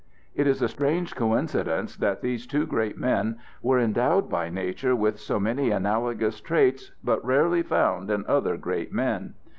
It is a strange coincidence that these two great men were endowed by nature with so many analogous traits, but rarely found in other great men.